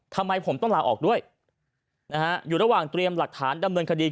ทำไมผมต้องลาออกด้วยนะฮะอยู่ระหว่างเตรียมหลักฐานดำเนินคดี